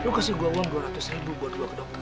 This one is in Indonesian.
lu kasih gue uang dua ratus ribu buat gue ke dokter